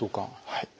はい。